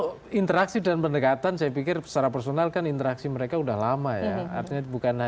luar negeri kalau interaksi dan pendekatan saya pikir secara personalkan interaksi mereka sudah lama ya